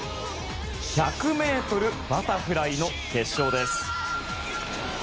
１００ｍバタフライの決勝です。